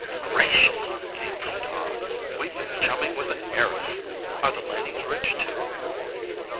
"Gracious!" came from Tom. "We've been chumming with an heiress. Are the Lanings rich, too?"